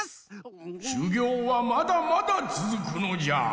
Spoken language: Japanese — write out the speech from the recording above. しゅぎょうはまだまだつづくのじゃ！